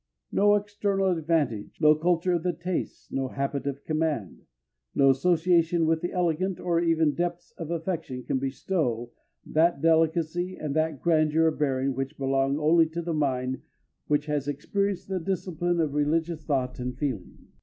No external advantage, no culture of the tastes, no habit of command, no association with the elegant, or even depths of affection can bestow, that delicacy and that grandeur of bearing which belong only to the mind which has experienced the discipline of religious thought and feeling.